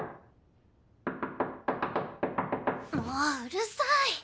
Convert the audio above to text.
もううるさい！